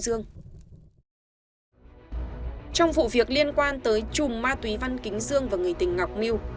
trong vụ việc liên quan tới chùm ma túy văn kính dương và người tình ngọc miu